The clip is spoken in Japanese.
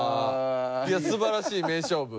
いや素晴らしい名勝負。